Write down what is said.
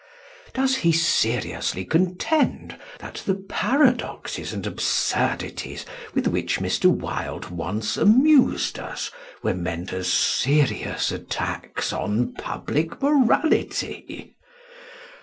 Does he seriously contend that the paradoxes and absurdities with which Mr. Wilde once amused us were meant as serious attacks on public morality?